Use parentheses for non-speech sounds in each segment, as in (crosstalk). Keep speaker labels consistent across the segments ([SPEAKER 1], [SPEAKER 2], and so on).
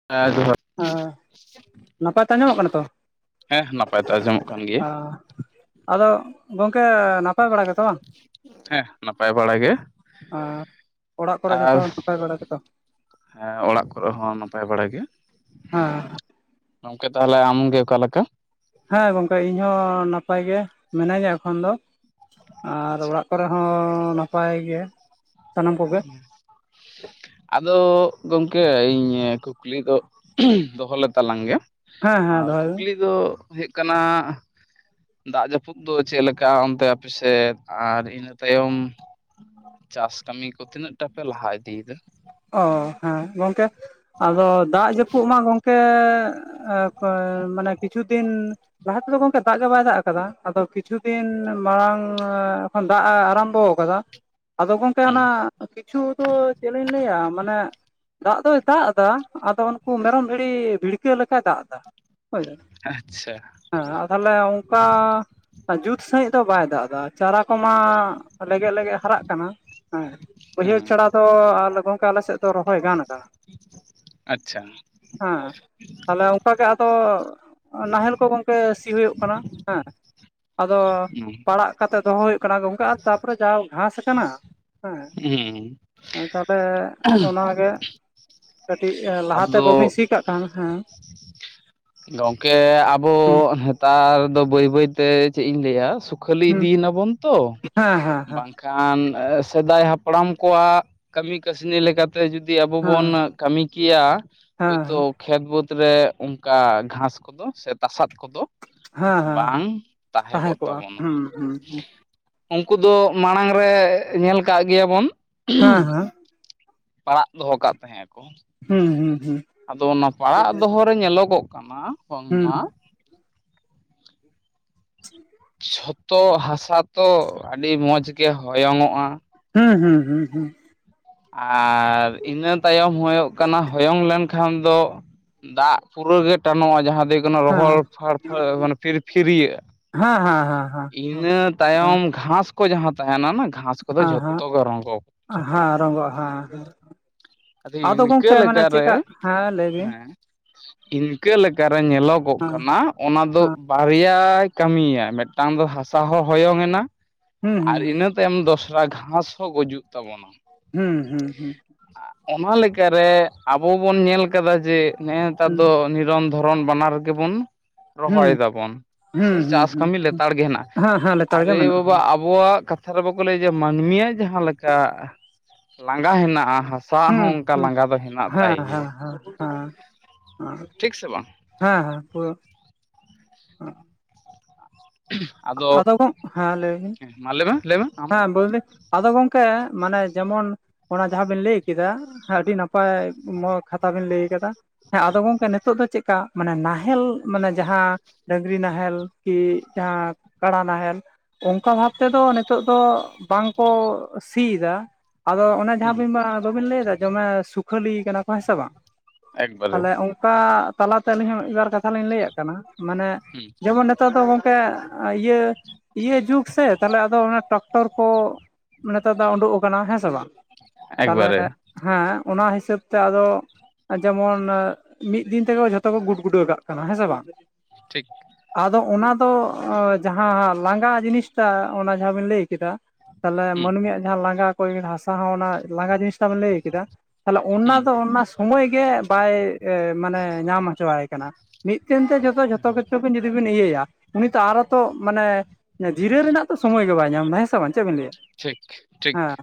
[SPEAKER 1] (inaudible)
[SPEAKER 2] ᱦᱮᱸ ᱱᱟᱯᱟᱭ ᱛᱮ ᱟᱡᱚᱢᱚᱜ ᱠᱟᱱᱟ ᱛᱚ
[SPEAKER 1] ᱦᱮᱸ ᱱᱟᱯᱟᱭ ᱛᱮ ᱟᱸᱡᱚᱢᱚᱜ ᱠᱟᱱ ᱜᱮᱭᱟ
[SPEAKER 2] (inaudible) ᱟᱫᱚ ᱜᱚᱢᱠᱮ ᱱᱟᱯᱟᱭ ᱵᱟᱲᱟ ᱜᱮᱛᱚ?
[SPEAKER 1] ᱦᱮᱸ ᱱᱟᱯᱟᱭ ᱵᱟᱲᱟ ᱜᱮ
[SPEAKER 2] ᱚᱲᱟᱜ ᱠᱚᱨᱮ ᱡᱚᱛᱚ
[SPEAKER 1] ᱟᱨ
[SPEAKER 2] ᱦᱚᱲ
[SPEAKER 1] -
[SPEAKER 2] ᱱᱟᱯᱟᱭ ᱵᱟᱲᱟ ᱜᱮᱛᱚ?
[SPEAKER 1] ᱦᱮᱸ ᱚᱲᱟᱜ ᱠᱚᱨᱮ ᱦᱚᱸ ᱱᱟᱯᱟᱭ ᱵᱟᱲᱟ ᱜᱮ
[SPEAKER 2] ᱟᱸ
[SPEAKER 1] ᱜᱚᱢᱠᱮ ᱛᱟᱦᱚᱞᱮ ᱟᱢ ᱜᱮ ᱚᱠᱟ ᱞᱮᱠᱟ
[SPEAKER 2] ᱦᱮᱸ ᱜᱚᱢᱠᱮ ᱤᱧ ᱦᱚᱸ ᱱᱟᱯᱟᱭ ᱜᱮ ᱢᱤᱱᱟᱹᱧᱟ ᱮᱠᱷᱚᱱ ᱫᱚ ᱟᱨ ᱚᱲᱟᱜ
[SPEAKER 1] ᱟᱪᱪᱷᱟ
[SPEAKER 2] ᱚᱲᱟᱜ ᱠᱚᱨᱮ ᱦᱚᱸ ᱱᱟᱯᱟᱭ ᱜᱮ ᱥᱟᱱᱟᱢ ᱠᱚᱜᱮ
[SPEAKER 1] (inaudible)
[SPEAKER 2] (inaudible)
[SPEAKER 1] ᱟᱫᱚ ᱜᱚᱢᱠᱮ ᱤᱧ ᱠᱩᱠᱞᱤ ᱫᱚᱧ ᱫᱚᱦᱚ ᱞᱮ ᱛᱟᱞᱟᱝ ᱜᱮ
[SPEAKER 2] ᱦᱮᱸ ᱦᱮᱸ
[SPEAKER 1] ᱟᱨ
[SPEAKER 2] ᱫᱚᱦᱚᱭ ᱵᱤᱱ
[SPEAKER 1] ᱠᱩᱠᱞᱤ ᱫᱚ ᱦᱩᱭᱳᱜ ᱠᱟᱱᱟ ᱫᱟᱜ ᱡᱟᱹᱯᱩᱫ ᱫᱚ ᱪᱮᱫ ᱞᱮᱠᱟ ᱚᱱᱛᱮ ᱟᱯᱮ ᱥᱮᱫ ᱟᱨ ᱤᱱᱟᱹ ᱛᱟᱭᱚᱢ ᱪᱟᱥ ᱠᱟᱹᱢᱤ ᱠᱚ ᱛᱤᱱᱟᱹᱜ ᱴᱟᱜ ᱯᱮ ᱞᱟᱦᱟ ᱤᱫᱤᱭᱮᱫᱟ
[SPEAKER 2] ᱚ ᱦᱮᱸ ᱜᱚᱢᱠᱮ ᱟᱫᱚ ᱫᱟᱜ ᱡᱟᱹᱯᱩᱜ ᱢᱟ ᱜᱚᱢᱠᱮ ᱢᱟᱱᱮ ᱠᱤᱪᱷᱩ ᱫᱤᱱ ᱞᱟᱦᱟ ᱛᱮᱫᱚ ᱜᱚᱢᱠᱮ ᱫᱟᱜ ᱜᱮ ᱵᱟᱭ ᱫᱟᱜ ᱟᱠᱟᱫᱟ ᱟᱫᱚ ᱠᱤ ᱠᱤᱪᱷᱩ ᱫᱤᱱ ᱢᱟᱲᱟᱝ ᱠᱷᱚᱱ ᱫᱟᱜ ᱮ ᱟᱨᱟᱢᱵᱚ ᱟᱠᱟᱫᱟ ᱟᱫᱚ ᱜᱚᱢᱠᱮ ᱚᱱᱟ
[SPEAKER 1] ᱦᱩᱸ
[SPEAKER 2] ᱠᱤᱪᱷᱩ ᱫᱚ ᱪᱮᱫ ᱞᱤᱧ ᱞᱟᱹᱭᱟ ᱢᱟᱱᱮ ᱫᱟᱜ ᱫᱚᱭ ᱫᱟᱜ ᱮᱫᱟ ᱟᱫᱚ ᱩᱱᱠᱩ ᱢᱮᱨᱚᱢ ᱵᱷᱤᱲᱤ ᱵᱷᱤᱲᱠᱟᱹᱣ ᱞᱮᱠᱟᱭ ᱫᱟᱜ ᱮᱫᱟ ᱦᱳᱭ
[SPEAKER 1] ᱟᱪᱪᱷᱟ
[SPEAKER 2] ᱦᱮᱸ ᱛᱟᱦᱚᱞᱮ ᱚᱝᱠᱟ ᱡᱩᱛ ᱥᱟᱸᱦᱤᱡ ᱫᱚ ᱵᱟᱭ ᱫᱟᱜ ᱮᱫᱟ ᱪᱟᱨᱟ ᱠᱚᱢᱟ ᱞᱮᱜᱮᱡ ᱞᱮᱜᱮᱡ ᱦᱟᱨᱟᱜ ᱠᱟᱱᱟ ᱦᱮᱸ ᱵᱟᱹᱭᱦᱟᱹᱲ
[SPEAKER 1] ᱦᱮᱸ
[SPEAKER 2] ᱪᱷᱟᱲᱟ ᱫᱚ ᱜᱚᱝᱠᱮ ᱟᱞᱮ ᱥᱮᱫ ᱫᱚ ᱨᱚᱦᱚᱭ ᱜᱟᱱ ᱠᱟᱱᱟ
[SPEAKER 1] ᱟᱪᱪᱷᱟ
[SPEAKER 2] ᱦᱮᱸ ᱛᱟᱦᱞᱮ ᱚᱱᱠᱟ ᱜᱮ ᱟᱫᱚ ᱱᱟᱦᱮᱞ ᱠᱚ ᱜᱚᱢᱠᱮ ᱥᱤ ᱦᱩᱭᱩᱜ ᱠᱟᱱᱟ ᱦᱮᱸ ᱟᱫᱚ
[SPEAKER 1] ᱦᱩᱸ
[SPEAKER 2] ᱯᱟᱲᱟᱜ ᱠᱟᱛᱮᱫ ᱫᱚᱦᱚ ᱦᱩᱭᱩᱜ ᱠᱟᱱᱟ ᱜᱚᱢᱠᱮ ᱛᱟᱨᱯᱚᱨᱮ ᱡᱟᱦᱟᱸ ᱜᱷᱟᱸᱥ ᱟᱠᱟᱱᱟ ᱦᱮᱸ
[SPEAKER 1] ᱩᱸ
[SPEAKER 2] ᱛᱟᱦᱚᱞᱮ ᱚᱱᱟᱜᱮ ᱠᱟᱹᱴᱤᱡ ᱞᱟᱦᱟ ᱛᱮ
[SPEAKER 1] ᱟᱫᱚ
[SPEAKER 2] ᱵᱟᱹᱵᱤᱱ ᱥᱤ ᱠᱟᱜ ᱠᱷᱟᱱ ᱦᱮᱸ
[SPEAKER 1] ᱜᱚᱝᱠᱮ ᱟᱵᱚ
[SPEAKER 2] ᱦᱩᱸ
[SPEAKER 1] ᱦᱮᱛᱟᱨ ᱫᱚ ᱵᱟᱹᱭ ᱵᱟᱹᱭ ᱛᱮ ᱪᱮᱫ ᱤᱧ ᱞᱟᱹᱭᱟ ᱠᱷᱟᱹᱞᱤ
[SPEAKER 2] ᱦᱩᱸ
[SPEAKER 1] ᱤᱫᱤᱭᱮ ᱱᱟᱵᱚᱱ ᱛᱚ
[SPEAKER 2] ᱦᱮᱸ ᱦᱮᱸ ᱦᱮᱸ
[SPEAKER 1] ᱵᱟᱝ ᱠᱷᱟᱱ ᱥᱮᱫᱟᱭ ᱦᱟᱯᱲᱟᱢ ᱠᱚᱣᱟᱜ ᱠᱟᱢᱤ ᱠᱟᱥᱱᱤ ᱞᱮᱠᱟ ᱛᱮ ᱛᱮ ᱡᱩᱫᱤ ᱟᱵᱚ ᱵᱚᱱ ᱠᱟᱹᱢᱤ ᱠᱮᱭᱟ ᱦᱚᱭ
[SPEAKER 2] ᱦᱮᱸ
[SPEAKER 1] ᱛᱳ ᱠᱷᱮᱛ ᱵᱟᱹᱫᱽ ᱨᱮ ᱚᱱᱠᱟ ᱜᱷᱟᱥ ᱠᱚᱫᱚ ᱥᱮ ᱛᱟᱥᱟᱫ ᱠᱚᱫᱚ
[SPEAKER 2] ᱦᱮᱸ ᱦᱮᱸ
[SPEAKER 1] ᱵᱟᱝ
[SPEAKER 2] ᱦᱮᱸ
[SPEAKER 1] ᱛᱟᱦᱮᱸ ᱠᱚᱜ
[SPEAKER 2] ᱠᱚᱜᱼᱟ
[SPEAKER 1] ᱛᱟᱵᱚᱱᱟ
[SPEAKER 2] ᱦᱩᱸ ᱦᱩᱸ
[SPEAKER 1] ᱩᱱᱠᱩ ᱫᱚ ᱢᱟᱲᱟᱝ ᱨᱮ ᱧᱮᱞ ᱠᱟᱜ ᱜᱮᱭᱟᱵᱚᱱ
[SPEAKER 2] ᱦᱮᱸ ᱦᱮᱸ
[SPEAKER 1] ᱯᱟᱲᱟᱜ ᱫᱚᱦᱚ ᱠᱟᱜ ᱛᱟᱦᱮᱸᱫ,
[SPEAKER 2] ᱦᱩᱸ ᱦᱩᱸ ᱦᱩᱸ
[SPEAKER 1] ᱟᱫᱚ ᱚᱱᱟ ᱯᱟᱲᱟᱜ ᱫᱚᱦᱚ ᱨᱮ ᱧᱮᱞᱚᱜᱚᱜ ᱠᱟᱱᱟ
[SPEAKER 2] ᱦᱩᱸ
[SPEAKER 1] ᱵᱟᱝᱢᱟ
[SPEAKER 2] ᱦᱩᱸ
[SPEAKER 1] ᱡᱷᱚᱛᱚ ᱦᱟᱥᱟ ᱛᱚ ᱟᱹᱰᱤ ᱢᱚᱡᱽ ᱜᱮ ᱦᱚᱭᱚᱝ ᱚᱜᱼᱟ᱾
[SPEAKER 2] ᱦᱩᱸ ᱦᱩᱸ ᱦᱩᱸ ᱦᱩᱸ᱾
[SPEAKER 1] ᱟᱨ ᱤᱱᱟᱹ ᱛᱟᱭᱚᱢ ᱦᱩᱭᱩᱜ ᱠᱟᱱᱟ ᱦᱚᱭᱚᱝ ᱞᱮᱱᱠᱷᱟᱱ ᱫᱚ ᱫᱟᱜ ᱯᱩᱨᱟ ᱜᱮ ᱴᱟᱱᱚᱜᱼᱟ ᱡᱟᱦᱟᱸ ᱫᱚ ᱦᱩᱭᱩᱜ ᱠᱟᱱᱟ
[SPEAKER 2] ᱦᱮᱸ ᱦᱮᱸ ᱦᱮᱸ ᱦᱮᱸ
[SPEAKER 1] ᱨᱚᱦᱚᱲ ᱯᱷᱟᱲᱻ ᱯᱷᱟᱲ ᱯᱷᱤᱨ ᱯᱷᱤᱨᱟᱹᱜ
[SPEAKER 2] ᱦᱮᱸ ᱦᱮᱸ ᱦᱮᱸ ᱦᱮᱸ
[SPEAKER 1] ᱤᱱᱟᱹ ᱛᱟᱭᱚᱢ ᱜᱷᱟᱥ ᱠᱚ ᱡᱟᱦᱟᱸ ᱛᱟᱦᱮᱱᱟ ᱜᱷᱟᱥ ᱠᱚᱫᱚ ᱡᱷᱚᱛᱚ ᱜᱮ ᱨᱚᱝ ᱪᱟᱵᱟᱜᱼᱟ
[SPEAKER 2] ᱨᱚᱝᱜᱚᱜᱼᱟ ᱦᱮᱸᱮᱸ (unintelligible)
[SPEAKER 1] ᱟᱫᱚ ᱤᱱᱠᱟ ᱞᱮᱠᱟᱨᱮ
[SPEAKER 2] ᱦᱮᱸ ᱞᱟᱹᱭ ᱵᱤᱱ
[SPEAKER 1] ᱦᱮᱸ ᱤᱱᱠᱟᱹ ᱞᱮᱠᱟ ᱨᱮ ᱧᱮᱞᱚᱜᱚᱜ
[SPEAKER 2] ᱦᱮᱸ
[SPEAKER 1] ᱠᱟᱱᱟ ᱚᱱᱟ ᱫᱚ
[SPEAKER 2] ᱦᱮᱸ
[SPEAKER 1] ᱵᱟᱨᱭᱟᱭ ᱠᱟᱹᱢᱤᱭᱟ ᱢᱤᱫᱴᱟᱝ ᱫᱚ ᱦᱟᱥᱟ ᱦᱚᱸ ᱦᱚᱭᱚᱝ ᱮᱱᱟ
[SPEAKER 2] ᱦᱩᱸ
[SPEAKER 1] ᱟᱨ ᱤᱱᱟᱹ ᱛᱟᱭᱚᱢ ᱫᱚᱥᱨᱟ ᱜᱷᱟᱥ ᱦᱚᱸ ᱜᱩᱡᱩᱜ ᱛᱟᱵᱚᱱᱟ
[SPEAKER 2] ᱦᱩᱸ ᱦᱩᱸ ᱦᱩᱸ
[SPEAKER 1] ᱚᱱᱟ ᱞᱮᱠᱟᱨᱮ ᱟᱵᱚ ᱵᱚᱱ ᱧᱮᱞ ᱠᱟᱫᱟ ᱡᱮ ᱱᱮᱜ ᱱᱮᱛᱟᱨ
[SPEAKER 2] ᱦᱩᱸ
[SPEAKER 1] ᱫᱚ ᱱᱤᱨᱚᱱᱫᱚᱱ ᱫᱷᱚᱨᱚᱱ (unintelligible) ᱵᱟᱱᱟᱨ ᱨᱮᱜᱮ ᱵᱚᱱ
[SPEAKER 2] ᱦᱩᱸ
[SPEAKER 1] ᱨᱚᱦᱚᱭ ᱫᱟᱵᱚᱱ ᱥᱮ
[SPEAKER 2] ᱦᱩᱸ ᱦᱩᱸ
[SPEAKER 1] ᱪᱟᱥ
[SPEAKER 2] ᱦᱩᱸ
[SPEAKER 1] ᱠᱟᱹᱢᱤ ᱞᱮᱛᱟᱲ ᱜᱮ ᱦᱮᱱᱟᱻᱟ
[SPEAKER 2] ᱦᱮᱸ ᱦᱮᱸ ᱞᱮᱛᱟᱲ ᱜᱮ
[SPEAKER 1] ᱟᱨᱮ
[SPEAKER 2] ᱢᱮᱱᱟᱜᱼᱟ
[SPEAKER 1] ᱵᱟᱵᱟ ᱚᱵ ᱟᱵᱚᱣᱟᱜ ᱠᱟᱛᱷᱟ ᱨᱮ ᱵᱟᱚᱠᱚ ᱞᱟᱹᱭᱟ ᱡᱮ ᱢᱟᱹᱱᱢᱤᱭᱟᱜ ᱡᱟᱦᱟᱸ ᱞᱮᱠᱟ ᱞᱟᱸᱜᱟ ᱦᱮᱱᱟᱜᱼᱟ ᱦᱟᱥᱟ ᱥᱟ
[SPEAKER 2] ᱦᱩᱸ
[SPEAKER 1] ᱦᱚᱸ (unintelligible) ᱚᱱᱠᱟ
[SPEAKER 2] ᱦᱩᱸ
[SPEAKER 1] ᱞᱟᱸᱜᱟ ᱫᱚ ᱦᱮᱱᱟᱜ
[SPEAKER 2] ᱦᱮᱸ
[SPEAKER 1] ᱛᱟᱭ
[SPEAKER 2] ᱦᱮᱸ ᱦᱮᱸ
[SPEAKER 1] ᱜᱮᱭᱟ
[SPEAKER 2] ᱦᱮᱸ
[SPEAKER 1] ᱴᱷᱤᱠ ᱥᱮ ᱵᱟᱝ
[SPEAKER 2] ᱦᱮᱸ ᱦᱮᱸ ᱯᱟᱹ ᱟᱫᱚ ᱜᱚᱜ ᱦᱮᱸ ᱞᱟᱹᱭ ᱵᱤᱱ
[SPEAKER 1] ᱢᱟ ᱞᱟᱹᱭ ᱢᱮ ᱞᱟᱹᱭ ᱢᱮ ᱟᱢ
[SPEAKER 2] ᱦᱮᱸ ᱵᱚᱞᱮ ᱟᱫᱚ ᱜᱚᱝᱠᱮ ᱢᱟᱱᱮ ᱡᱮᱢᱚᱱ ᱚᱱᱟ ᱡᱟᱦᱟᱸ ᱵᱤᱱ ᱞᱟᱭ ᱠᱟᱫᱟ ᱟᱰᱤ ᱱᱟᱯᱟᱭ ᱠᱷᱟᱛᱷᱟ ᱵᱤᱱ ᱞᱟᱹᱭ ᱠᱟᱫᱟ ᱦᱮᱸ ᱟᱫᱚ ᱜᱚᱢᱠᱮ ᱱᱤᱛᱚᱜ ᱫᱚ ᱪᱮᱫᱠᱟ ᱢᱟᱱᱮ ᱱᱟᱦᱮᱞ ᱢᱟᱱᱮ ᱡᱟᱦᱟᱸ ᱰᱟᱺᱝᱨᱤ ᱱᱟᱦᱮᱸᱞ ᱠᱤ ᱡᱟᱦᱟᱸ ᱠᱟᱬᱟ ᱱᱟᱦᱮᱞ ᱚᱱᱠᱟ ᱵᱷᱟᱵ ᱛᱮ ᱫᱚ ᱱᱤᱛᱚᱜ ᱫᱚ ᱵᱟᱝ ᱠᱚ ᱥᱤᱭ ᱮᱟ, ᱟᱫᱚ ᱚᱱᱮ ᱡᱟᱦᱟᱸ
[SPEAKER 1] ᱦᱩᱸ
[SPEAKER 2] ᱵᱤᱱ ᱟᱵᱤᱱ ᱞᱟᱹᱭᱮᱫᱟ ᱡᱚᱢᱮ ᱥᱩᱠᱷᱟᱹᱞᱤ ᱠᱟᱱᱟ ᱠᱚ ᱦᱮᱸ ᱥᱮ ᱵᱟᱝ
[SPEAKER 1] ᱮᱠᱵᱟᱨᱮ
[SPEAKER 2] ᱛᱟᱦᱚᱞᱮ ᱚᱱᱠᱟ ᱛᱟᱞᱟᱛᱮ ᱟᱹᱞᱤᱧ ᱦᱚᱸ ᱢᱤᱫ ᱵᱟᱨ ᱠᱟᱛᱷᱟ ᱞᱤᱧ ᱞᱟᱹᱭᱟᱜ ᱠᱟᱱᱟ ᱢᱟᱱᱮ
[SPEAKER 1] ᱦᱩᱸ
[SPEAKER 2] ᱡᱮᱢᱚᱱ ᱱᱮᱛᱟᱨ ᱫᱚ ᱜᱚᱝᱠᱮ ᱤᱭᱟᱹ ᱤᱭᱟᱹ ᱡᱩᱜᱽ ᱥᱮ ᱛᱟᱦᱚᱞᱮ ᱟᱫᱚ ᱚᱱᱟ ᱴᱨᱟᱠᱴᱚᱨ ᱠᱚ ᱡᱮᱱᱛᱮᱫᱚ ᱩᱵᱩᱜ ᱟᱡᱠᱱᱟ ᱦᱮ ᱥᱮ ᱵᱟᱝ
[SPEAKER 1] ᱮᱠᱵᱟᱨᱮ
[SPEAKER 2] ᱦᱮᱸ ᱚᱱᱟ ᱦᱤᱥᱟᱹᱵ ᱛᱮ ᱟᱫᱚ ᱡᱮᱢᱚᱱ ᱢᱤᱫ ᱫᱤᱱ ᱛᱮᱜᱮ ᱡᱷᱚᱛᱚ ᱠᱚ ᱜᱩᱰᱜᱩᱰᱟᱣᱹ ᱠᱟᱜ ᱠᱟᱱᱟ ᱦᱮᱸ ᱥᱮ ᱵᱟᱝ
[SPEAKER 1] ᱴᱷᱤᱠ
[SPEAKER 2] ᱟᱫᱚ ᱚᱱᱟ ᱫᱚ ᱡᱟᱦᱟᱸ ᱞᱟᱸᱜᱟ ᱡᱤᱱᱤᱥ ᱴᱟᱜ ᱚᱱᱟ ᱡᱟᱦᱟᱸ ᱵᱤᱱ ᱞᱟᱹᱭ ᱠᱮᱫᱟ ᱛᱟᱦᱚᱞᱮ
[SPEAKER 1] ᱦᱩᱸ
[SPEAKER 2] ᱢᱟᱹᱱᱢᱤᱭᱟᱜ ᱡᱟᱦᱟᱸ ᱞᱟᱸᱜᱟ ᱠᱚ ᱦᱟᱥᱟ ᱦᱚᱸ ᱚᱱᱟ ᱞᱟᱸᱜᱟ ᱡᱤᱱᱤᱥᱴᱟᱱ ᱞᱟᱹᱭ ᱠᱮᱫᱟ ᱛᱟᱦᱚᱞᱮ ᱚᱱᱟ ᱫᱚ
[SPEAKER 1] ᱦᱩᱸ
[SPEAKER 2] ᱚᱱᱟ ᱥᱚᱢᱚᱭ ᱜᱮ ᱵᱟᱭ ᱢᱟᱱᱮ ᱧᱟᱢ ᱦᱚᱪᱚᱣᱟᱭ ᱠᱟᱱᱟ ᱢᱤᱫᱴᱮᱱ ᱛᱮ ᱡᱚᱛᱚ ᱡᱷᱚᱛᱚ ᱠᱤᱪᱷᱩ ᱡᱩᱫᱤ ᱵᱤᱱ ᱤᱭᱟᱹ ᱭᱟ ᱩᱱᱤ ᱛᱚ ᱟᱨ ᱛᱚ ᱢᱟᱱᱮ ᱡᱤᱨᱟᱹ (unintelligible) ᱨᱮᱱᱟᱜ ᱛᱚ ᱥᱚᱢᱚᱭ ᱜᱮ ᱵᱟᱭ ᱧᱟᱢᱫᱟ ᱦᱮᱸ ᱥᱮ ᱵᱟᱝ ᱪᱮᱫ ᱵᱤᱱ ᱞᱟᱹᱭᱟ
[SPEAKER 1] ᱴᱷᱤᱠ ᱴᱷᱤᱠ
[SPEAKER 2] ᱦᱮᱸ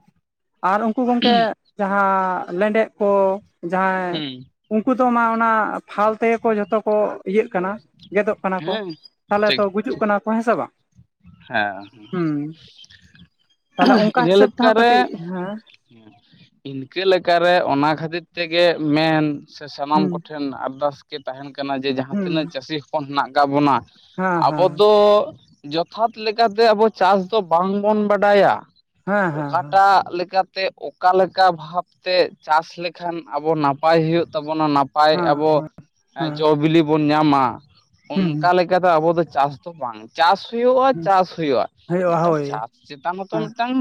[SPEAKER 2] ᱟᱨ ᱩᱱᱠᱩ ᱜᱚᱝᱠᱮ ᱡᱟᱦᱟᱸ ᱞᱮᱸᱰᱮᱫ ᱠᱚ ᱡᱟᱦᱟᱸᱭ
[SPEAKER 1] ᱦᱩᱸ
[SPEAKER 2] ᱩᱱᱠᱩ ᱫᱚ ᱢᱟ ᱚᱱᱟ ᱯᱷᱟᱞ ᱛᱮᱜᱮ ᱠᱚ ᱡᱷᱚᱛᱚ ᱠᱚ ᱤᱭᱟᱹᱜ ᱠᱟᱱᱟ ᱜᱮᱫᱚᱜ ᱠᱟᱱᱟ ᱠᱚ,
[SPEAKER 1] ᱦᱮᱸ
[SPEAKER 2] ᱛᱟᱦᱚᱞᱮ ᱛᱚ
[SPEAKER 1] ᱴᱷᱤᱠ
[SPEAKER 2] ᱜᱩᱡᱩᱜ
[SPEAKER 1] ᱴᱷᱤᱠ
[SPEAKER 2] ᱠᱟᱱᱟ ᱠᱚ ᱦᱮᱸ ᱥᱮ ᱵᱟᱝ
[SPEAKER 1] ᱦᱮᱸ
[SPEAKER 2] ᱦᱩᱸ ᱛᱟᱦᱚᱞᱮ
[SPEAKER 1] ᱦᱮ
[SPEAKER 2] ᱚᱱᱠᱟ
[SPEAKER 1] ᱚᱜ, (unintelligible)
[SPEAKER 2] ᱦᱤᱥᱟᱹᱵ
[SPEAKER 1] ᱞᱮᱠᱟ
[SPEAKER 2] ᱛᱮᱦᱚᱸ
[SPEAKER 1] ᱨᱮ
[SPEAKER 2] ᱠᱟᱹᱴᱤᱡ ᱦᱮᱸ
[SPEAKER 1] ᱤᱱᱠᱟᱹ ᱞᱮᱠᱟ ᱨᱮ ᱚᱱᱟ ᱠᱷᱟᱹᱛᱤᱨ ᱛᱮᱜᱮ ᱢᱮᱱ ᱥᱮ ᱥᱟᱱᱟᱢ
[SPEAKER 2] ᱦᱩᱸ
[SPEAKER 1] ᱠᱚᱴᱷᱮᱱ ᱟᱨᱫᱟᱥ ᱜᱮ ᱛᱟᱦᱮᱱ ᱠᱟᱱᱟ ᱡᱮ ᱡᱟᱦᱟᱸ
[SPEAKER 2] ᱦᱩᱸ
[SPEAKER 1] ᱛᱤᱱᱟᱹᱜ ᱪᱟᱹᱥᱤ ᱦᱚᱯᱚᱱ ᱦᱮᱱᱟᱜ ᱟᱠᱟᱫ ᱵᱚᱱᱟ
[SPEAKER 2] ᱦᱮᱸ
[SPEAKER 1] ᱟᱵᱚ
[SPEAKER 2] ᱦᱮᱸ
[SPEAKER 1] ᱫᱚ ᱡᱚᱛᱷᱟᱛ ᱞᱮᱠᱟᱛᱮ ᱟᱵᱚ ᱪᱟᱥ ᱫᱚ ᱵᱟᱝᱵᱚᱱ ᱵᱟᱰᱟᱭᱟ,
[SPEAKER 2] ᱦᱮᱸ ᱦᱮᱸ
[SPEAKER 1] ᱚᱠᱟᱴᱟᱜ ᱞᱮᱠᱟᱛᱮ, ᱚᱠᱟᱮ ᱞᱮᱠᱟ ᱵᱷᱟᱵᱛᱮ ᱪᱟᱥ ᱞᱮᱠᱷᱟᱱ ᱟᱵᱚ ᱱᱟᱯᱟᱭ ᱦᱩᱭᱩᱜ ᱛᱟᱵᱚᱱᱟ ᱱᱟᱯᱟᱭ
[SPEAKER 2] ᱦᱮᱸ
[SPEAKER 1] ᱟᱵᱚ
[SPEAKER 2] ᱦᱮᱸ ᱦᱮᱸ
[SPEAKER 1] ᱡᱚ ᱵᱤᱞᱤ ᱵᱚᱱ ᱧᱟᱢᱟ
[SPEAKER 2] ᱦᱩᱸ
[SPEAKER 1] ᱚᱱᱠᱟ ᱞᱮᱠᱟᱛᱮ ᱟᱵᱚ ᱫᱚ ᱪᱟᱥ ᱫᱚ ᱵᱟᱝ ᱪᱟᱥ ᱦᱩᱭᱩᱜᱼᱟ
[SPEAKER 2] ᱦᱩᱸ
[SPEAKER 1] ᱪᱟᱥ ᱦᱩᱭᱩᱜᱼᱟ
[SPEAKER 2] ᱦᱩᱭᱩᱜᱼᱟ
[SPEAKER 1] ᱢᱤᱫᱴᱟᱝ
[SPEAKER 2] ᱦᱳᱭ
[SPEAKER 1] ᱪᱟᱥ ᱪᱮᱛᱟᱱ ᱦᱚᱛᱚ
[SPEAKER 2] ᱦᱮᱸ
[SPEAKER 1] ᱢᱤᱫᱴᱟᱝ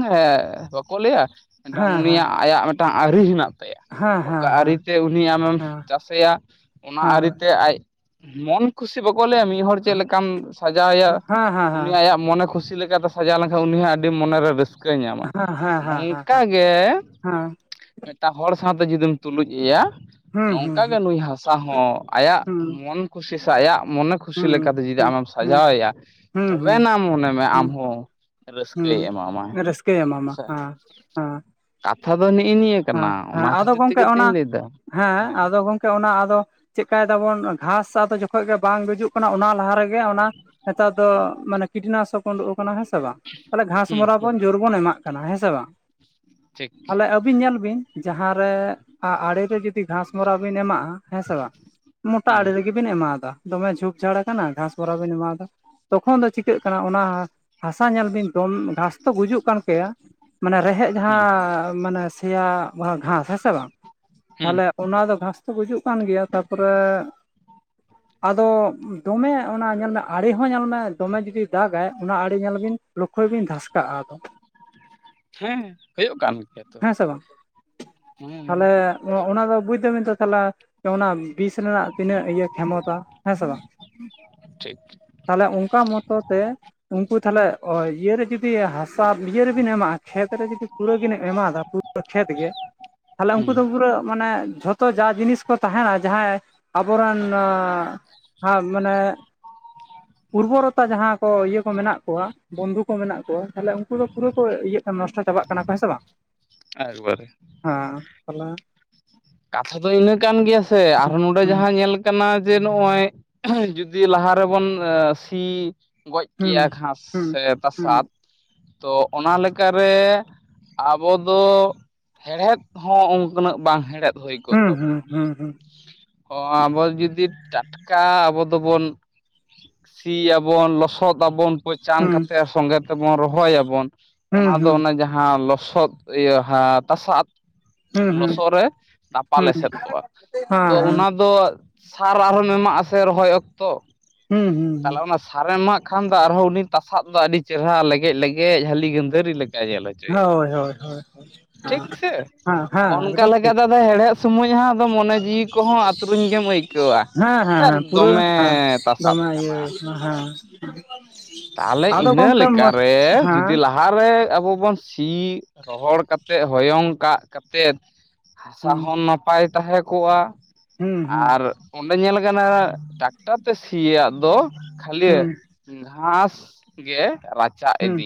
[SPEAKER 1] ᱵᱟᱠᱚ ᱞᱟᱹᱭᱟ ᱢᱤᱫᱴᱟᱝ
[SPEAKER 2] ᱦᱮᱸ ᱦᱮᱸ
[SPEAKER 1] ᱩᱱᱤᱭᱟᱜ ᱟᱭᱟᱜ ᱢᱤᱫᱴᱟᱝ ᱟᱹᱨᱤ ᱦᱮᱱᱟᱜ ᱛᱟᱭᱟ
[SPEAKER 2] ᱦᱮᱸ
[SPEAKER 1] ᱚᱠᱟ
[SPEAKER 2] ᱦᱮᱸ ᱦᱮᱸ ᱦᱮᱸ
[SPEAKER 1] ᱟᱹᱨᱤᱛᱮ ᱩᱱᱤ ᱟᱢᱮᱢ
[SPEAKER 2] ᱦᱮᱸ ᱦᱮᱸ
[SPEAKER 1] ᱪᱟᱥ ᱚᱱᱟ
[SPEAKER 2] ᱦᱮᱸ ᱦᱮᱸ
[SPEAKER 1] ᱟᱹᱨᱤᱛᱮ ᱟᱡ ᱢᱚᱱ ᱠᱷᱩᱥᱤ ᱵᱟᱠᱚ ᱞᱟᱹᱭᱟ ᱢᱤᱫ ᱦᱚᱲ ᱪᱮᱫ ᱞᱮᱠᱟᱢ ᱥᱟᱡᱟᱣᱮᱭᱟ
[SPEAKER 2] ᱦᱮᱸ ᱦᱮᱸ
[SPEAKER 1] ᱩᱱᱤ ᱟᱭᱟᱜ ᱢᱚᱱᱮ ᱠᱷᱩᱥᱤ ᱞᱮᱠᱟᱛᱮ ᱥᱟᱡᱟᱣ ᱞᱮᱱᱠᱷᱟᱱ ᱩᱱᱤ ᱦᱚᱸ ᱟᱹᱰᱤ ᱢᱚᱱᱮᱨᱮ ᱨᱟᱹᱥᱠᱟᱹ ᱤᱠᱟᱹᱧ ᱧᱟᱢᱟ
[SPEAKER 2] ᱦᱮᱸ ᱦᱮᱸ
[SPEAKER 1] ᱱᱚᱝᱠᱟ
[SPEAKER 2] ᱦᱮᱸ
[SPEAKER 1] ᱜᱮ
[SPEAKER 2] ᱦᱮᱸ
[SPEAKER 1] ᱢᱤᱫᱴᱟᱝ ᱦᱚᱲ ᱥᱟᱶᱛᱮ ᱡᱩᱫᱤᱢ ᱛᱩᱞᱩᱡ ᱮᱭᱟ
[SPEAKER 2] ᱦᱩᱸ
[SPEAKER 1] ᱱᱚᱝᱠᱟᱜ ᱜᱮ
[SPEAKER 2] ᱦᱩᱸ
[SPEAKER 1] ᱱᱩᱭ ᱦᱟᱥᱟ ᱦᱚᱸ ᱟᱭᱟᱜ
[SPEAKER 2] ᱦᱩᱸ
[SPEAKER 1] ᱢᱚᱱ ᱠᱷᱩᱥᱤ ᱥᱮ ᱟᱭᱟᱜ ᱢᱚᱱᱮ ᱠᱩᱥᱤ
[SPEAKER 2] ᱦᱩᱸ
[SPEAKER 1] ᱞᱮᱠᱟᱛᱮ ᱡᱩᱫᱤ
[SPEAKER 2] ᱦᱩᱸ
[SPEAKER 1] ᱟᱢᱮᱢ
[SPEAKER 2] ᱦᱩᱸ
[SPEAKER 1] ᱥᱟᱡᱟᱣᱮᱭᱟ
[SPEAKER 2] ᱦᱩᱸ ᱦᱩᱸ
[SPEAKER 1] ᱛᱚᱵᱮᱱᱟᱜ ᱢᱚᱱᱮ ᱢᱮ ᱟᱢ
[SPEAKER 2] ᱦᱩᱸ
[SPEAKER 1] ᱦᱚᱸ ᱨᱟᱹᱥᱠᱟᱹᱭ ᱮᱢᱟᱢᱟᱭ
[SPEAKER 2] ᱦᱩᱸ ᱨᱟᱹᱥᱠᱟᱹᱭ ᱮᱢᱟᱢᱟ ᱦᱮᱸ
[SPEAKER 1] ᱠᱟᱛᱷᱟ ᱫᱚ ᱱᱮᱜᱼ ᱱᱤᱭᱟᱹ
[SPEAKER 2] ᱦᱮ
[SPEAKER 1] ᱠᱟᱱᱟ
[SPEAKER 2] ᱦᱮᱸ
[SPEAKER 1] ᱚᱱᱟ
[SPEAKER 2] ᱟᱫᱚ
[SPEAKER 1] ᱠᱷᱟᱹᱛᱤᱨ
[SPEAKER 2] ᱜᱚᱝᱠᱮ
[SPEAKER 1] ᱛᱮᱜᱮ ᱛᱚᱧ
[SPEAKER 2] ᱚᱱᱟ
[SPEAKER 1] ᱞᱟᱹᱭᱫᱟ
[SPEAKER 2] ᱦᱮᱸ ᱟᱫᱚ ᱜᱚᱝᱠᱮ ᱚᱱᱟ ᱟᱫᱚ ᱪᱮᱫᱠᱟᱭ ᱫᱟᱵᱚᱱ ᱜᱷᱟᱥ ᱟᱫᱚ ᱡᱚᱠᱷᱚᱱ ᱜᱮ ᱵᱟᱝ ᱜᱩᱡᱩᱜ ᱠᱟᱱᱟ ᱚᱱᱟ ᱞᱟᱦᱟ ᱨᱮᱜᱮ ᱚᱱᱟ ᱱᱮᱛᱟᱨ ᱫᱚ ᱢᱟᱱᱮ ᱠᱤᱴᱱᱟᱥᱚᱠ ᱩᱰᱩᱩᱜ ᱟᱠᱟᱱᱟ ᱦᱮᱸᱥᱮ ᱵᱟᱝ ᱛᱟᱦᱚᱞᱮ
[SPEAKER 1] ᱦᱩᱸ
[SPEAKER 2] ᱜᱷᱟᱥᱢᱚᱨᱟ ᱵᱚᱱ ᱡᱳᱨᱵᱚᱱ ᱮᱢᱟᱜ ᱠᱟᱱᱟ ᱦᱮᱸ ᱥᱮ ᱵᱟᱝ
[SPEAKER 1] ᱴᱷᱤᱠ
[SPEAKER 2] ᱛᱟᱦᱮᱞᱮ ᱟᱹᱵᱤᱱ ᱧᱮᱞ ᱵᱤᱱ ᱡᱟᱦᱟᱸ ᱨᱮ ᱟᱲᱮ ᱨᱮ ᱡᱩᱫᱤ ᱜᱷᱟᱥᱢᱚᱨᱟ ᱵᱤᱱ ᱮᱢᱟᱜᱼᱟ ᱦᱮᱸ ᱥᱮ ᱵᱟᱝ ᱢᱚᱴᱟ ᱟᱲᱮ
[SPEAKER 1] ᱦᱩᱸ
[SPEAKER 2] ᱨᱮᱜᱮᱵᱤᱱ ᱮᱢᱟᱣᱟᱫᱟ ᱫᱚᱢᱮ ᱡᱷᱩᱠ ᱡᱷᱟᱲ ᱠᱟᱱᱟ ᱜᱷᱟᱥ ᱢᱚᱨᱟ ᱵᱤᱱ ᱮᱢᱢᱟᱫᱟ ᱛᱚᱠᱷᱚᱱ ᱫᱚ ᱪᱤᱠᱟᱹᱜ ᱠᱟᱱᱟ ᱚᱱᱟ ᱦᱟᱥᱟ ᱧᱮᱞ ᱵᱤᱱ ᱫᱚ ᱜᱷᱟᱥ ᱜᱩᱡᱩᱜ ᱠᱟᱱ ᱠᱮᱭᱟ ᱢᱟᱱᱮ ᱨᱮᱦᱮᱫ
[SPEAKER 1] ᱦᱩᱸ
[SPEAKER 2] ᱡᱟᱦᱟᱸ ᱢᱟᱱᱮ ᱜᱷᱟᱥ ᱦᱮᱸ ᱥᱮ ᱵᱟᱝ
[SPEAKER 1] ᱦᱩᱸ
[SPEAKER 2] ᱛᱟᱦᱚᱞᱮ ᱚᱱᱟ ᱫᱚ ᱜᱷᱟᱥ ᱛᱚ ᱜᱩᱡᱩᱜ ᱠᱟᱱ ᱜᱮᱭᱟ ᱛᱟᱨᱯᱚᱨᱮ ᱟᱫᱚ ᱫᱚᱢᱮ ᱚᱱᱟ ᱧᱮᱞ ᱢᱮ ᱟᱲᱮ ᱦᱚᱸ ᱧᱮᱞᱢᱮ ᱫᱚᱢᱮ ᱡᱩᱫᱤ ᱫᱟᱜᱟᱭ ᱚᱱᱟ ᱟᱲᱮ ᱧᱮᱞ ᱵᱤᱱ ᱞᱚᱠᱷᱳᱚᱭ ᱵᱤᱱ ᱫᱷᱟᱥᱠᱟᱜᱼᱟ ᱟᱫᱚ
[SPEAKER 1] ᱦᱮᱸ ᱦᱩᱭᱩᱜ ᱠᱟᱱ ᱜᱮᱭᱟ ᱛᱚ
[SPEAKER 2] ᱦᱮᱸ ᱥᱮ ᱵᱟᱝ
[SPEAKER 1] ᱦᱮᱸ
[SPEAKER 2] ᱛᱟᱦᱚᱞᱮ ᱚᱱᱟ ᱫᱚ ᱵᱩᱡ ᱫᱟᱹᱵᱤᱱ ᱛᱚ ᱛᱟᱦᱚᱞᱮ ᱚᱱᱟ ᱵᱤᱥ ᱨᱮᱱᱟᱜ ᱛᱤᱱᱟᱹᱜ ᱤᱭᱟᱹ ᱠᱷᱢᱚᱛᱟ ᱦᱮᱸ ᱥᱮ ᱵᱟᱝ
[SPEAKER 1] ᱴᱷᱤᱠ
[SPEAKER 2] ᱛᱟᱦᱚᱞᱮ ᱚᱱᱠᱟ ᱢᱚᱛᱚ ᱛᱮ ᱩᱱᱠᱩ ᱛᱟᱦᱚᱞᱮ ᱤᱭᱟᱹᱮ ᱡᱩᱫᱤ ᱦᱟᱥᱟ ᱤᱭᱟᱹ ᱟᱹᱨ ᱨᱮᱵᱤᱱ ᱮᱢᱟᱜᱼᱟ ᱠᱷᱮᱛ ᱨᱮ ᱡᱩᱫᱤ ᱠᱩᱨᱟᱹ ᱵᱤᱱ ᱮᱢᱟ ᱫᱚ ᱯᱩᱨᱟᱹ ᱠᱷᱮᱛ ᱜᱮ ᱛᱟᱦᱚᱞᱮ ᱩᱱᱠᱩ
[SPEAKER 1] ᱦᱩᱸ
[SPEAKER 2] ᱫᱚ ᱯᱩᱨᱟᱹ ᱢᱟᱱᱮ ᱡᱷᱚᱛᱚ ᱡᱟ ᱡᱤᱱᱤᱥ ᱠᱚ ᱛᱟᱦᱮᱱᱟ ᱡᱟᱦᱟᱸᱭ ᱟᱵᱚᱨᱮᱱ ᱢᱟᱱᱮ ᱩᱨᱵᱚᱨᱚᱛᱟ ᱡᱟᱦᱟᱸ ᱠᱚ ᱤᱭᱟᱹ ᱠᱚ ᱢᱮᱱᱟᱜ ᱠᱚᱣᱟ ᱵᱚᱱᱫᱷᱩ ᱠᱚ ᱢᱮᱱᱟᱜ ᱛᱟᱦᱚᱞᱮ ᱩᱱᱠᱩ ᱫᱚ ᱯᱩᱨᱟᱹ ᱠᱚ ᱱᱚᱥᱴᱚ ᱪᱟᱵᱟᱜ ᱠᱟᱱᱟ ᱦᱮ ᱥᱮ ᱵᱟᱝ
[SPEAKER 1] ᱮᱠᱵᱟᱨᱮ
[SPEAKER 2] ᱦᱮᱸ ᱛᱚᱞ
[SPEAKER 1] ᱠᱟᱛᱷᱟ ᱫᱚ ᱤᱱᱟᱹ ᱠᱟᱱ ᱜᱮᱭᱟ ᱥᱮ ᱟᱨ ᱱᱚᱰᱮ
[SPEAKER 2] ᱦᱩᱸ
[SPEAKER 1] ᱡᱟᱦᱟᱸ ᱧᱮᱞ ᱠᱟᱱᱟ ᱡᱮ ᱱᱚᱜᱼᱚᱭ ᱡᱩᱫᱤ ᱞᱟᱦᱟ ᱨᱮᱵᱚᱱ ᱥᱤ ᱜᱚᱡ
[SPEAKER 2] ᱦᱩᱸ
[SPEAKER 1] ᱠᱮᱜᱭᱟ ᱜᱷᱟᱥ
[SPEAKER 2] ᱦᱩᱸ
[SPEAKER 1] ᱥᱮ
[SPEAKER 2] ᱦᱩᱸ
[SPEAKER 1] ᱛᱟᱥᱟᱫ ᱛᱚ ᱚᱱᱟ ᱞᱮᱠᱟᱨᱮ ᱟᱵᱚ ᱫᱚ ᱦᱮᱲᱦᱮᱫ ᱦᱚᱸ ᱩᱠᱱᱟᱹᱜ ᱵᱟᱝ ᱦᱮᱲᱦᱮᱫ ᱦᱩᱭ ᱠᱚᱜ
[SPEAKER 2] ᱦᱩᱸ ᱦᱩᱸ
[SPEAKER 1] ᱛᱟᱵᱚᱱᱟ
[SPEAKER 2] ᱦᱩᱸ
[SPEAKER 1] ᱦᱚᱸ ᱟᱵᱚ ᱡᱩᱫᱤ ᱴᱟᱴᱠᱟ ᱟᱵᱚ ᱫᱚᱵᱚᱱ ᱥᱤᱭᱟᱵᱚᱱ ᱞᱚᱥᱚᱫ ᱟᱵᱚᱱ ᱪᱟᱱ
[SPEAKER 2] ᱦᱩᱸ
[SPEAKER 1] ᱠᱟᱛᱮ ᱥᱚᱸᱜᱮ ᱛᱮᱵᱚᱱ ᱨᱚᱦᱚᱭᱟᱵᱚᱱ
[SPEAKER 2] ᱦᱩᱸ
[SPEAKER 1] ᱚᱱᱟ ᱫᱚ
[SPEAKER 2] ᱦᱩᱸ
[SPEAKER 1] ᱚᱱᱮ ᱡᱟᱦᱟᱸ ᱞᱚᱥᱚᱫ ᱤᱭᱟᱹ ᱦᱟ ᱛᱟᱥᱟᱫ
[SPEAKER 2] ᱦᱩᱸ ᱦᱩᱸ
[SPEAKER 1] ᱞᱚᱥᱚᱫ ᱨᱮ ᱥᱟᱯᱷᱟ
[SPEAKER 2] ᱦᱩᱸ ᱦᱩᱸ
[SPEAKER 1] ᱮᱥᱮᱫ ᱠᱚᱜᱼᱟ
[SPEAKER 2] ᱦᱮᱸ
[SPEAKER 1] ᱛᱚ
[SPEAKER 2] ᱦᱮᱸ
[SPEAKER 1] ᱚᱱᱟ ᱫᱚ ᱥᱟᱨ ᱟᱨᱦᱚᱸ ᱮᱢᱟᱜ ᱟᱥᱮ ᱨᱚᱦᱚᱭ ᱚᱠᱛᱚ
[SPEAKER 2] ᱦᱩᱸ ᱦᱩᱸ
[SPEAKER 1] ᱛᱟᱦᱞᱮ (unintelligible) ᱥᱟᱨᱮᱡ ᱮᱢᱟᱜ ᱠᱷᱟᱱ ᱫᱚ ᱟᱨᱦᱚᱸ ᱩᱱᱤ ᱛᱟᱥᱟᱵ ᱫᱚ ᱟᱹᱰᱤ ᱪᱮᱦᱨᱟ ᱞᱮᱜᱮᱡ ᱞᱮᱜᱮᱡ ᱡᱟᱹᱞᱤ ᱜᱟᱹᱫᱷᱟᱹᱨᱤ ᱞᱮᱜᱮ (unintelligible) ᱡᱮᱞ ᱦᱚᱪᱚᱭᱟ
[SPEAKER 2] ᱦᱳᱭ ᱦᱳᱭ ᱦᱳᱭ
[SPEAKER 1] ᱴᱷᱤᱠ ᱥᱮ
[SPEAKER 2] ᱦᱮᱸ ᱦᱮᱸ
[SPEAKER 1] ᱚᱱᱠᱟ
[SPEAKER 2] ᱮᱠᱫᱚᱢ
[SPEAKER 1] ᱞᱮᱠᱟ
[SPEAKER 2] ᱴᱷᱤᱠ
[SPEAKER 1] ᱫᱟᱫᱟ ᱦᱮᱲᱦᱮᱫ ᱥᱚᱢᱚᱭ ᱦᱟᱜ ᱟᱫᱚ ᱢᱚᱱᱮ ᱡᱤᱣᱤ ᱠᱚᱦᱚᱸ ᱟᱹᱛᱨᱩᱧ ᱜᱮᱢ ᱟᱹᱭᱠᱟᱹᱣᱟ᱾
[SPEAKER 2] ᱦᱮᱸ ᱦᱮᱸ
[SPEAKER 1] ᱥᱟᱨ
[SPEAKER 2] ᱦᱮᱸ ᱯᱩᱨᱟᱹ
[SPEAKER 1] ᱫᱚᱢᱮ
[SPEAKER 2] ᱦᱮᱸ
[SPEAKER 1] ᱛᱟᱥᱟᱫ
[SPEAKER 2] ᱫᱚᱢᱮ ᱤᱭᱟᱹ
[SPEAKER 1] ᱠᱟᱱᱟ
[SPEAKER 2] ᱦᱮᱸ (inaudible)
[SPEAKER 1] ᱛᱟᱦᱚᱞᱮ
[SPEAKER 2] ᱟᱫᱚ
[SPEAKER 1] ᱤᱱᱟᱹ
[SPEAKER 2] ᱜᱚᱝᱠᱮ
[SPEAKER 1] ᱞᱮᱠᱟᱨᱮ
[SPEAKER 2] ᱦᱮᱸ
[SPEAKER 1] ᱡᱩᱫᱤ ᱞᱟᱦᱟ ᱞᱟᱦᱟᱨᱮ ᱟᱵᱚ ᱵᱚᱱ ᱥᱤ ᱨᱚᱦᱚᱲ ᱠᱟᱛᱮᱫ ᱦᱚᱭᱚᱝ ᱠᱟᱜ ᱠᱟᱛᱮᱫ ᱦᱟᱥᱟ
[SPEAKER 2] ᱦᱩᱸ
[SPEAKER 1] ᱦᱚᱸ ᱱᱟᱯᱟᱭ ᱛᱟᱦᱮᱸ ᱠᱚᱜᱼᱟ
[SPEAKER 2] ᱦᱩᱸ ᱦᱩᱸ
[SPEAKER 1] ᱟᱨ ᱚᱸᱰᱮ ᱧᱮᱞ ᱠᱟᱱᱟ ᱴᱟᱠᱴᱟᱨ ᱛᱮ ᱥᱤᱭᱟᱜ ᱫᱚ ᱠᱷᱟᱹᱞᱤ
[SPEAKER 2] ᱦᱩᱸ
[SPEAKER 1] ᱜᱷᱟᱥ ᱜᱮ ᱨᱟ
[SPEAKER 2] ᱦᱩᱸ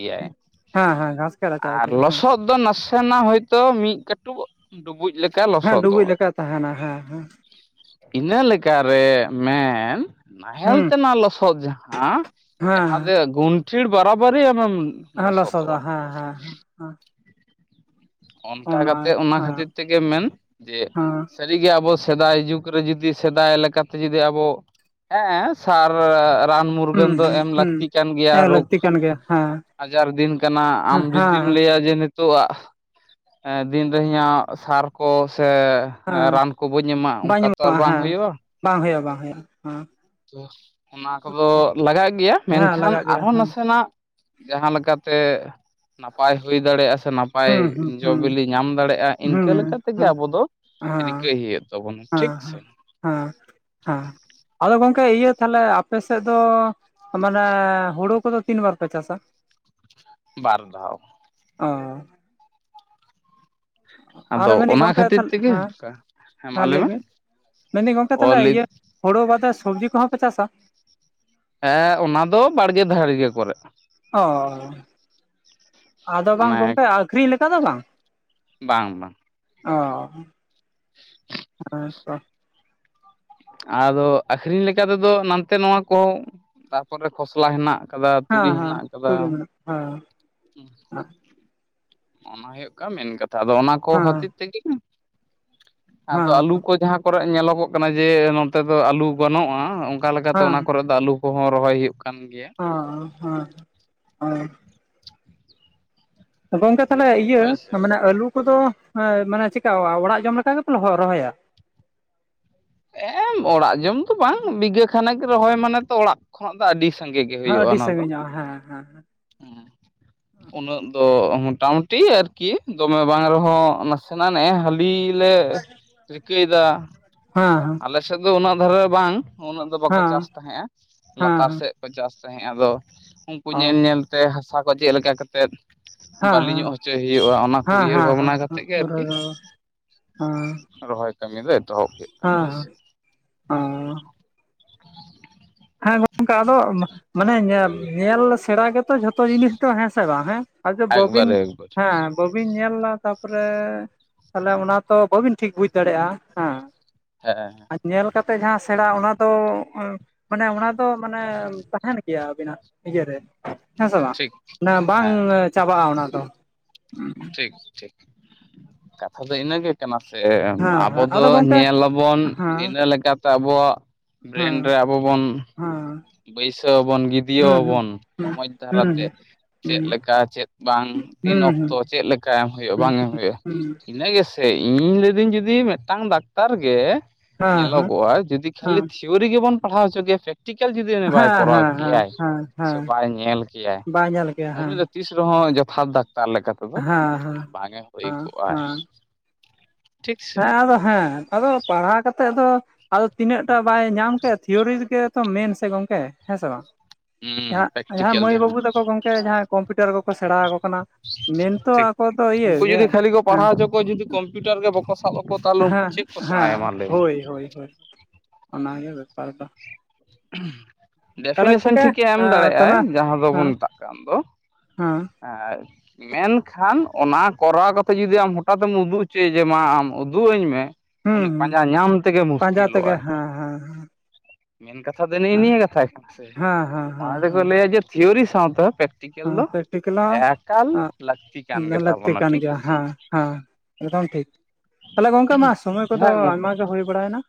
[SPEAKER 2] ᱦᱮᱸ ᱦᱮᱸ ᱜᱷᱟᱥ, ᱜᱮ ᱨᱟᱪᱟᱜ
[SPEAKER 1] ᱟᱨ
[SPEAKER 2] ᱤᱫᱤᱭᱟ ᱦᱮᱸ
[SPEAKER 1] ᱞᱚᱥᱚᱫ ᱫᱚ ᱱᱟᱥᱮᱱᱟᱜ ᱦᱳᱭᱛᱳ ᱢᱤᱫ ᱠᱟᱹᱴᱩᱵ ᱰᱩᱵᱩᱡ ᱞᱮᱠᱟ
[SPEAKER 2] ᱦᱮᱸ ᱰᱩᱵᱩᱡ
[SPEAKER 1] ᱞᱚᱥᱚᱫᱚᱜᱼᱟ᱾
[SPEAKER 2] ᱞᱮᱠᱟ ᱛᱟᱦᱮᱱᱟ ᱦᱮᱸ ᱦᱮᱸ
[SPEAKER 1] ᱤᱱᱟᱹ ᱞᱮᱠᱟᱨᱮ ᱢᱮᱱ ᱱᱟᱦᱮᱞ
[SPEAKER 2] ᱦᱩᱸ
[SPEAKER 1] ᱛᱮᱱᱟᱜ ᱞᱚᱥᱚᱫ ᱡᱟᱦᱟᱸ
[SPEAKER 2] ᱦᱮᱸ
[SPEAKER 1] ᱡᱟᱦᱟᱸ ᱫᱚ ᱜᱚᱱᱴᱷᱤᱲ ᱵᱟᱨᱟᱵᱟᱨᱤ ᱟᱢᱮᱢ
[SPEAKER 2] ᱦᱮ ᱞᱚᱥᱚᱫᱚᱜ
[SPEAKER 1] ᱞᱚᱥᱚᱫᱚᱜᱼᱟ
[SPEAKER 2] ᱦᱮᱸ ᱦᱮᱸ ᱦᱮᱸ
[SPEAKER 1] ᱚᱱᱠᱟ ᱠᱟᱛᱮᱜ ᱚᱱᱟ ᱠᱷᱟᱹᱛᱤᱨ ᱛᱮᱜᱮ ᱢᱮᱱ ᱡᱮ
[SPEAKER 2] ᱦᱮᱸ
[SPEAKER 1] ᱥᱟᱹᱨᱤᱜᱮ ᱟᱵᱚ ᱥᱮᱫᱟᱭ ᱡᱩᱜᱽ ᱨᱮ ᱡᱩᱫᱤ ᱥᱮᱫᱟᱭ ᱞᱮᱠᱟᱛᱮ ᱡᱩᱫᱤ ᱟᱵᱚ ᱦᱮᱸ ᱥᱟᱨ ᱨᱟᱱ ᱢᱩᱨᱜᱟᱹᱱ
[SPEAKER 2] ᱦᱩᱸ
[SPEAKER 1] ᱫᱚ
[SPEAKER 2] ᱦᱩᱸ
[SPEAKER 1] ᱮᱢ
[SPEAKER 2] ᱦᱩᱸ
[SPEAKER 1] ᱞᱟᱹᱠᱛᱤ ᱠᱟᱱ ᱜᱮᱭᱟ
[SPEAKER 2] ᱦᱮᱸ
[SPEAKER 1] ᱨᱳᱜᱽ
[SPEAKER 2] ᱞᱟᱹᱠᱛᱤ ᱠᱟᱱ ᱜᱮᱭᱟ ᱦᱮᱸ
[SPEAKER 1] ᱟᱡᱟᱨ ᱫᱤᱱ ᱠᱟᱱᱟ ᱟᱢ
[SPEAKER 2] ᱦᱮᱸ ᱦᱮᱸ
[SPEAKER 1] ᱡᱩᱫᱤᱢ ᱞᱟᱹᱭᱟ ᱡᱮ ᱱᱤᱛ ᱱᱤᱛᱚᱜ ᱟᱜ ᱫᱤᱱᱨᱮ ᱤᱧᱟᱹᱜ ᱥᱟᱨ ᱠᱚ ᱥᱮ
[SPEAKER 2] ᱦᱮᱸ
[SPEAKER 1] ᱨᱟᱱ ᱠᱚ ᱵᱟᱹᱧ ᱮᱢᱟ
[SPEAKER 2] ᱵᱟᱝ
[SPEAKER 1] ᱚᱱᱠᱟ ᱛᱚ ᱟᱨ
[SPEAKER 2] ᱧᱟᱢᱚᱜᱼᱟ
[SPEAKER 1] ᱵᱟᱝ
[SPEAKER 2] ᱦᱮᱸ
[SPEAKER 1] ᱦᱩᱭᱩᱜᱼᱟ
[SPEAKER 2] ᱵᱟᱝ ᱦᱩᱭᱩᱜᱼᱟ ᱵᱟᱝ ᱦᱩᱭᱩᱜᱼᱟ ᱦᱚᱸ
[SPEAKER 1] (unintelligible) ᱚᱱᱟ ᱠᱚᱫᱚ ᱞᱟᱜᱟᱜ ᱜᱮᱭᱟ
[SPEAKER 2] ᱦᱮᱸ
[SPEAKER 1] ᱢᱮᱱᱠᱷᱟᱱ
[SPEAKER 2] ᱞᱟᱜᱟᱜ ᱜᱮᱭᱟ
[SPEAKER 1] ᱟᱨᱦᱚᱸ
[SPEAKER 2] ᱦᱮᱸ
[SPEAKER 1] ᱱᱟᱥᱮᱱᱟᱜ ᱡᱟᱦᱟᱸ ᱞᱮᱠᱟᱛᱮ ᱱᱟᱯᱟᱭ ᱦᱩᱭ ᱫᱟᱲᱮᱭᱟᱜᱼᱟ ᱥᱮ (unintelligible) ᱱᱟᱯᱟᱭ
[SPEAKER 2] ᱦᱩᱸ ᱦᱩᱸ
[SPEAKER 1] ᱡᱚ
[SPEAKER 2] ᱦᱩᱸ
[SPEAKER 1] ᱵᱤᱞᱤ ᱧᱟᱢ ᱫᱟᱲᱮᱭᱟᱜᱼᱟ ᱤᱱᱠᱟᱹ
[SPEAKER 2] ᱦᱩᱸ
[SPEAKER 1] ᱞᱮᱠᱟᱛᱮᱜᱮ
[SPEAKER 2] ᱦᱮᱸ
[SPEAKER 1] ᱟᱵᱚ ᱫᱚ
[SPEAKER 2] ᱦᱮᱸ
[SPEAKER 1] ᱨᱤᱠᱟᱹᱭ ᱦᱩᱭᱩᱜ ᱛᱟᱵᱚᱱᱟ
[SPEAKER 2] ᱦᱮᱸ
[SPEAKER 1] ᱴᱷᱤᱠ ᱥᱮ
[SPEAKER 2] ᱦᱮᱸ ᱦᱮᱸ ᱦᱮᱸ ᱟᱫᱚ ᱜᱚᱢᱠᱮ ᱤᱭᱟᱹ ᱛᱟᱦᱚᱞᱮ ᱟᱯᱮ ᱥᱮᱫ ᱫᱚ ᱢᱟᱱᱮ ᱦᱩᱲᱩ ᱠᱚᱫᱚ ᱛᱤᱱ ᱵᱟᱨ ᱯᱮ ᱪᱟᱥᱟ?
[SPEAKER 1] ᱵᱟᱨ ᱫᱷᱟᱣ
[SPEAKER 2] ᱚ
[SPEAKER 1] ᱟᱫᱚ
[SPEAKER 2] ᱟᱨᱚ ᱢᱮᱱᱮᱫᱟᱹᱧ
[SPEAKER 1] ᱚᱱᱟ
[SPEAKER 2] ᱜᱚᱝᱠᱮ
[SPEAKER 1] ᱠᱷᱟᱹᱛᱤᱨ
[SPEAKER 2] ᱛᱟᱦᱮ
[SPEAKER 1] ᱛᱮᱜᱮ
[SPEAKER 2] ᱦᱮᱸ
[SPEAKER 1] ᱚᱱᱠᱟ ᱢᱟ
[SPEAKER 2] ᱦᱮᱸ ᱞᱟᱹᱭ
[SPEAKER 1] ᱢᱮ
[SPEAKER 2] ᱵᱤᱱ ᱢᱮᱱ ᱫᱟᱹᱧ ᱜᱚᱝᱠᱮ ᱛᱟᱦᱚᱞᱮ
[SPEAKER 1] ᱚᱞᱤ
[SPEAKER 2] ᱤᱭᱟᱹ ᱦᱚᱲᱚ ᱵᱟᱫᱮ ᱥᱚᱵᱽᱡᱤ ᱠᱚᱦᱚᱸ ᱯᱮ ᱪᱟᱥᱟ?
[SPEAKER 1] ᱦᱮᱸ ᱚᱱᱟ ᱫᱚ ᱵᱟᱲᱜᱮ ᱫᱷᱟᱨᱜᱮ ᱠᱚᱨᱮ
[SPEAKER 2] ᱚ ᱟᱫᱚ ᱵᱟᱝ
[SPEAKER 1] ᱢᱟᱱᱮ
[SPEAKER 2] ᱜᱚᱝᱠᱮ ᱟᱠᱷᱨᱤᱧ ᱞᱮᱠᱟ ᱫᱚ ᱵᱟᱝ
[SPEAKER 1] ᱵᱟᱝ ᱵᱟᱝ
[SPEAKER 2] ᱚ ᱦᱮ ᱛᱚ
[SPEAKER 1] ᱟᱫᱚ ᱟᱹᱠᱷᱨᱤᱧ ᱞᱮᱠᱟ ᱛᱮᱫᱚ ᱱᱟᱱᱛᱮ ᱱᱚᱣᱟ ᱠᱚ ᱛᱟᱯᱚᱨᱮ ᱠᱷᱚᱥᱞᱟ ᱦᱮᱱᱟᱜ ᱠᱟᱫᱟ
[SPEAKER 2] ᱦᱮᱸ
[SPEAKER 1] ᱛᱩᱲᱤ
[SPEAKER 2] ᱦᱮᱸ
[SPEAKER 1] ᱦᱮᱱᱟᱜ ᱠᱟᱫᱟ
[SPEAKER 2] ᱦ (inaudible)
[SPEAKER 1] ᱚᱱᱟ ᱦᱩᱭᱩᱜ ᱠᱟᱱᱟ ᱢᱮᱱ ᱠᱟᱛᱷᱟ ᱟᱫᱚ ᱚᱱᱟ ᱠᱚ
[SPEAKER 2] ᱦᱮᱸ
[SPEAKER 1] ᱠᱷᱟᱹᱛᱤᱨ ᱛᱮᱜᱮ ᱟᱫᱚ
[SPEAKER 2] ᱦᱮᱸ
[SPEAKER 1] ᱟᱞᱩ ᱠᱚ ᱡᱟᱦᱟᱸ ᱠᱚᱨᱮ ᱧᱮᱞᱚᱜᱚᱜ ᱠᱟᱱᱟ ᱡᱮ ᱱᱚᱱᱛᱮ ᱫᱚ ᱟᱞᱩ ᱵᱟᱹᱱᱩᱜᱼᱟ ᱚᱱᱠᱟ ᱞᱮᱠᱟᱛᱮ
[SPEAKER 2] ᱦᱮᱸ
[SPEAKER 1] ᱚᱱᱟ ᱠᱚᱨᱮ ᱫᱚ ᱟᱞᱩ ᱠᱚᱦᱚᱸ ᱨᱚᱦᱚᱭ ᱦᱩᱭᱩᱜ ᱠᱟᱱ ᱜᱮᱭᱟ ᱾
[SPEAKER 2] ᱚ ᱦᱚᱸ ᱜᱚᱝᱠᱮ ᱛᱟᱦᱚᱞᱮ ᱤᱭᱟᱹ
[SPEAKER 1] ᱦᱳᱭ ᱥᱮ
[SPEAKER 2] ᱢᱟᱱᱮ ᱟᱹᱞᱩ ᱠᱚᱫᱚ ᱢᱟᱱᱮ ᱪᱤᱠᱟᱼᱟ ᱚᱲᱟᱜ ᱡᱚᱢ ᱞᱮᱠᱟ ᱜᱮᱯᱮ ᱞᱚ ᱨᱚᱦᱚᱭᱟ?
[SPEAKER 1] ᱮᱸ ᱚᱲᱟᱜ ᱡᱚᱢ ᱫᱚ ᱵᱟᱝ ᱵᱤᱜᱷᱟᱹ ᱠᱷᱟᱱᱮᱠ ᱜᱮ ᱨᱚᱦᱚᱭ ᱢᱟᱱᱮ ᱛᱚ ᱚᱲᱟᱜ ᱠᱷᱚᱱᱟᱜ ᱫᱚ ᱟᱹᱰᱤ ᱥᱟᱸᱜᱮ ᱜᱮ
[SPEAKER 2] ᱦᱮᱸ
[SPEAKER 1] ᱦᱩᱭᱩᱜᱼᱟ
[SPEAKER 2] ᱟᱹᱰᱤ
[SPEAKER 1] ᱚᱱᱟ ᱫᱚ
[SPEAKER 2] ᱥᱟᱺᱜᱤᱧᱚᱜᱼᱟ ᱦᱮᱸ ᱦᱮᱸ
[SPEAKER 1] ᱦᱮᱸ ᱩᱱᱟᱹᱜ ᱫᱚ ᱢᱚᱴᱟᱢᱩᱴᱤ ᱟᱨᱠᱤ ᱫᱚᱢᱮ ᱵᱟᱝ ᱨᱮᱦᱚᱸ ᱱᱟᱥᱮᱱᱟᱜ ᱱᱮ ᱦᱟᱹᱞᱤ ᱞᱮ ᱨᱤᱠᱟᱹᱭᱮᱫᱟ
[SPEAKER 2] ᱦᱮᱸ-ᱮᱸ᱾
[SPEAKER 1] ᱟᱞᱮ ᱥᱮᱫ ᱫᱚ ᱩᱱᱟᱹᱜ ᱫᱷᱟᱨᱮ ᱵᱟᱝ ᱩᱱᱟᱹᱜ ᱫᱚ ᱵᱟᱠᱚ ᱪᱟᱥ ᱛᱟᱦᱮᱸᱜᱼᱟ ᱞᱟᱛᱟᱨ ᱥᱮᱫ ᱠᱚ ᱪᱟᱥ ᱛᱟᱦᱮᱸᱜ ᱟᱫᱚ ᱩᱱᱠᱩ ᱧᱮᱞ ᱧᱮᱞ ᱛᱮ ᱦᱟᱥᱟ ᱠᱚ ᱪᱮᱫ ᱞᱮᱠᱟ ᱠᱟ ᱠᱟᱛᱮᱫ ᱵᱟᱹᱞᱤ ᱧᱚᱜ ᱦᱚᱪᱚᱭ ᱦᱩᱭᱩᱜᱼᱟ ᱚᱱᱟ ᱠᱚ ᱩᱭᱦᱟᱹᱨ ᱵᱷᱟᱵᱽᱱᱟ ᱠᱟᱛᱮᱫ ᱜᱮ ᱟᱨᱠᱤ, ᱨᱚᱦᱚᱭ ᱠᱟᱹᱢᱤ ᱫᱚ ᱮᱛᱚᱦᱚᱵ ᱠᱮᱜ
[SPEAKER 2] ᱦᱟᱸ ᱦᱟᱸ ᱟᱸ ᱾ ᱦᱮᱸᱚᱝᱠᱟ ᱟᱫᱚ ᱢᱟᱱᱮ ᱧᱮᱞ ᱥᱮᱬᱟ ᱜᱮᱛᱚ ᱡᱚᱛᱚ ᱡᱷᱚᱛ ᱛᱚ ᱡᱤᱱᱤᱥ ᱫᱚ ᱦᱮᱸ ᱥᱮ ᱵᱟᱝ ᱦᱮᱸ ᱟᱫᱚ ᱵᱟᱵᱤᱱ
[SPEAKER 1] ᱮᱠᱵᱟᱨᱮ ᱮᱠᱵᱟᱨ
[SPEAKER 2] ᱦᱮᱸ ᱵᱟᱹᱵᱤᱱ ᱧᱮᱞᱫᱟ ᱛᱟᱯᱚᱨᱮ ᱛᱟᱦᱚᱞᱮ ᱚᱱᱟ ᱛᱚ ᱵᱟᱹᱵᱤᱱ ᱴᱷᱤᱠ ᱵᱩᱡ ᱫᱟᱲᱮᱭᱟᱜᱼᱟ ᱦᱮᱸ
[SPEAKER 1] ᱦᱮᱸ ᱮᱸ
[SPEAKER 2] ᱟᱨ ᱧᱮᱞ ᱠᱟᱛᱮ ᱡᱟᱦᱟᱸ ᱥᱮᱲᱟ ᱚᱱᱟ ᱫᱚ ᱢᱟᱱᱮ ᱚᱱᱟ ᱫᱚ ᱢᱟᱱᱮ ᱛᱟᱦᱮᱱ ᱜᱮᱭᱟ ᱟᱵᱤᱱᱟᱜ ᱤᱭᱟᱹᱨᱮ ᱦᱮᱸ ᱥᱮ ᱵᱟᱝ
[SPEAKER 1] ᱴᱷᱤᱠ
[SPEAKER 2] ᱚᱱᱟ ᱵᱟᱝ
[SPEAKER 1] ᱦᱮᱸ
[SPEAKER 2] ᱪᱟᱵᱟᱜᱼᱟ ᱚᱱᱟ ᱫᱚ᱾
[SPEAKER 1] ᱴᱷᱤᱠ ᱴᱷᱤᱠ ᱠᱟᱛᱷᱟ ᱫᱚ ᱤᱱᱟᱹ ᱜᱮ ᱾ ᱠᱟᱱᱟ ᱥᱮ
[SPEAKER 2] ᱦᱮᱸ
[SPEAKER 1] ᱟᱵᱚ
[SPEAKER 2] ᱦᱮᱸ
[SPEAKER 1] ᱫᱚ
[SPEAKER 2] ᱟᱫᱚ ᱜᱚᱝᱠᱮ
[SPEAKER 1] ᱧᱮᱞᱟᱵᱚᱱ
[SPEAKER 2] ᱦᱮᱸ
[SPEAKER 1] ᱤᱱᱟᱹ ᱞᱮᱠᱟᱛᱮ ᱟᱵᱚᱣᱟᱜ ᱵᱨᱮᱱ ᱨᱮ ᱟᱵᱚ ᱵᱚᱱ
[SPEAKER 2] ᱦᱟᱸᱻ
[SPEAKER 1] ᱵᱟᱹᱭᱥᱟᱹ ᱟᱵᱚᱱ ᱜᱤᱫᱽᱭᱟᱹ ᱟᱵᱚᱱ ᱢᱚᱡᱽ ᱫᱷᱟᱨᱟᱛᱮ ᱾ ᱪᱮᱫ ᱞᱮᱠᱟ ᱪᱮᱫ ᱵᱟᱝ ᱛᱤᱱ ᱚᱠᱛᱚ ᱪᱮᱫ ᱞᱮᱠᱟ ᱮᱢ ᱦᱩᱭᱩᱜᱼᱟ ᱵᱟᱝ ᱮᱢ ᱦᱩᱭᱩᱜᱼᱟ ᱤᱱᱟᱹᱜ ᱥ ᱥᱮ ᱤᱧ ᱞᱟᱹᱭᱫᱟᱹᱧ ᱡᱩᱫᱤ ᱢᱤᱫᱴᱟᱝ ᱰᱟᱠᱛᱟᱨ ᱜᱮ ᱧᱮᱞᱚᱜᱚᱜᱼᱟ ᱡᱩᱫᱤ ᱠᱷᱟᱹᱞᱤ ᱛᱷᱤᱨ ᱛᱷᱤᱭᱳᱨᱤ ᱜᱮᱵᱚᱱ ᱯᱟᱲᱦᱟᱣ ᱦᱚᱪᱠᱮᱭᱟ ᱯᱮᱠᱴᱤᱠ ᱠᱮᱞ ᱡᱩᱫᱤ ᱩᱱᱤ ᱵᱟᱭ ᱠᱚᱨᱟᱣ ᱠᱮᱭᱟᱭ ᱥᱮ ᱵᱟᱭ ᱧᱮᱞ ᱠᱮᱭᱟᱭ
[SPEAKER 2] ᱵᱟᱭ ᱧᱮᱞ ᱠᱮᱭᱟ ᱦᱮᱸ
[SPEAKER 1] ᱩᱱᱤᱜ ᱛᱤᱥ ᱨᱮᱦᱚᱸ ᱡᱚᱛᱷᱟᱛ ᱰᱟᱠᱛᱟᱨ ᱞᱮᱠᱟ ᱛᱮᱫᱚ
[SPEAKER 2] ᱦᱮᱸ ᱦᱮᱸ
[SPEAKER 1] ᱵᱟᱝ ᱮ ᱦᱳᱭ
[SPEAKER 2] ᱦᱮᱸ
[SPEAKER 1] ᱠᱚᱜ-ᱟᱭ᱾
[SPEAKER 2] ᱦᱮᱸ ᱦᱮᱸ ᱟᱫᱚ ᱦᱮᱸ ᱟᱫᱚ ᱯᱟᱲᱦᱟᱣ ᱠᱟᱛᱮᱜ ᱫᱚ ᱟᱫᱚ ᱛᱤᱱᱟᱹᱜ ᱴᱟ ᱵᱟᱭ ᱧᱟᱢ ᱠᱮᱫ ᱛᱷᱤᱭᱳᱨᱤ ᱨᱮᱜᱮ ᱛᱚ ᱢᱮᱱ ᱥᱮ ᱜᱚᱢᱠᱮ ᱦᱮᱸ ᱥᱮ ᱵᱟᱝ?
[SPEAKER 1] ᱦᱩᱸ
[SPEAKER 2] ᱡᱟᱦᱟᱸᱜ ᱡᱟᱦᱟᱸᱭ
[SPEAKER 1] ᱯᱨᱮᱠᱴᱤᱠᱮᱞ
[SPEAKER 2] ᱢᱟᱹᱭ
[SPEAKER 1] ᱡᱟᱦᱟᱸ
[SPEAKER 2] ᱵᱟᱹᱵᱩ ᱛᱟᱠᱚ ᱜᱚᱢᱠᱮ ᱡᱟᱦᱟᱸᱭ ᱠᱚᱢᱯᱤᱭᱩᱴᱟᱨ ᱠᱚᱠᱚ ᱥᱮᱬᱟ ᱟᱠᱚ ᱠᱟᱱᱟ, ᱢᱮᱱᱛᱚ ᱟᱠᱚ ᱫᱚ ᱤᱭᱟᱹ ᱜᱮ ᱦᱮᱸ
[SPEAKER 1] ᱚᱠᱚ ᱡᱩᱫᱤ ᱠᱚᱢᱯᱤᱭᱴᱟᱨ ᱜᱮ ᱵᱟᱠᱚ ᱥᱟᱵ ᱟᱠᱚ ᱛᱟᱦᱚᱞᱮ ᱩᱱᱠᱩ
[SPEAKER 2] ᱦᱮᱸ
[SPEAKER 1] ᱪᱮᱫ ᱠᱚ ᱥᱮᱬᱟᱭᱟ
[SPEAKER 2] ᱦᱮᱸ
[SPEAKER 1] ᱢᱟ ᱞᱟᱹᱭ ᱢᱮ
[SPEAKER 2] ᱦᱳᱭ ᱦᱳᱭ ᱚᱱᱟᱜᱮ ᱵᱮᱯᱟᱨ ᱫᱚ ᱾
[SPEAKER 1] ᱦ ᱰᱮᱯᱷᱤᱱᱮᱥᱚᱱ
[SPEAKER 2] ᱜᱚᱝᱠᱮ
[SPEAKER 1] ᱴᱷᱤᱠᱮ ᱮᱢ
[SPEAKER 2] ᱛᱟᱦᱚᱞᱮ
[SPEAKER 1] ᱫᱟᱲᱮᱭᱟᱜᱼᱟᱭ ᱡᱟᱦᱟᱸ ᱫᱚᱵᱚᱱ
[SPEAKER 2] ᱦᱮᱸ
[SPEAKER 1] ᱢᱮᱛᱟᱜ ᱠᱟᱱ ᱫᱚ
[SPEAKER 2] ᱦᱮᱸ
[SPEAKER 1] ᱟᱨ ᱢᱮᱱᱠᱷᱟᱱ ᱚᱱᱟ ᱠᱚᱨᱟᱣ ᱠᱟᱛᱮ ᱡᱩᱫᱤ ᱟᱢ ᱦᱚᱴᱟᱛᱮᱢ ᱩᱫᱩᱜ ᱦᱚᱪᱚᱭ ᱡᱮ ᱢᱟ ᱟᱢ ᱩᱫᱩᱜ ᱟᱹᱧ ᱢᱮ,
[SPEAKER 2] ᱦᱩᱸ
[SPEAKER 1] ᱩᱱᱤ
[SPEAKER 2] ᱦᱩᱸ
[SPEAKER 1] ᱯᱟᱸᱧᱡᱟ ᱧᱟᱢ ᱛᱮᱜᱮ
[SPEAKER 2] ᱯᱟᱸᱡᱟ ᱛᱮᱜᱮ
[SPEAKER 1] ᱢᱩᱥᱠᱤᱞᱚᱜ-ᱟᱭ ᱾
[SPEAKER 2] ᱦᱮᱸ ᱦᱮᱸ
[SPEAKER 1] ᱢᱮᱱ ᱠᱟᱛᱷᱟ ᱫᱚ ᱱᱮᱜ ᱱᱤᱭᱟᱹ ᱠᱟᱛᱷᱟ ᱠᱟᱱᱟ ᱥᱮ
[SPEAKER 2] ᱦᱮᱸ ᱦᱮᱸ ᱦᱮᱸ
[SPEAKER 1] ᱚᱱᱟ
[SPEAKER 2] ᱦᱮᱸ
[SPEAKER 1] ᱫᱚᱠᱚ
[SPEAKER 2] ᱦᱮᱸ
[SPEAKER 1] ᱞᱟᱹᱭᱟ ᱡᱮ ᱛᱷᱤᱭᱳᱨᱤ ᱥᱟᱶᱛᱮ ᱯᱨᱮᱠᱴᱤ ᱴᱤᱠᱮᱞ
[SPEAKER 2] ᱦᱮᱸ
[SPEAKER 1] ᱫᱚ
[SPEAKER 2] ᱯᱨᱮᱠᱴᱤᱠᱮᱞ ᱦᱚᱸ
[SPEAKER 1] ᱮᱠᱟᱞ ᱞᱟᱹᱠᱛᱤ ᱠᱟᱱ
[SPEAKER 2] ᱞᱟᱹᱠᱛᱤ
[SPEAKER 1] ᱜᱮᱛᱟᱵᱚᱱᱟ
[SPEAKER 2] ᱠᱟᱱ
[SPEAKER 1] ᱴᱷᱤᱠ
[SPEAKER 2] ᱜᱮᱭᱟ
[SPEAKER 1] ᱥᱮ?
[SPEAKER 2] ᱦᱮᱸ ᱦᱮᱸ ᱮᱠᱫᱚᱢ ᱴᱷᱤᱠ ᱛᱟᱦᱚᱞᱮ ᱜᱚᱢᱠᱮ ᱢᱟ ᱥᱚᱢᱚᱭ ᱠᱚᱫᱚ
[SPEAKER 1] ᱵᱟᱝ ᱜᱚᱝᱠᱮ
[SPEAKER 2] ᱟᱭᱢᱟ ᱜᱮ ᱦᱳᱭ ᱵᱟᱲᱟᱭᱮᱱᱟ᱾